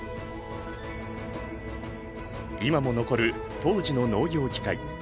今も残る当時の農業機械。